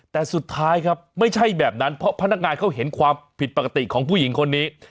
แต่สุดท้ายครับไม่ใช่แบบนั้นเพราะพนักงานเขาเห็นความผิดปกติของผู้หญิงคนนี้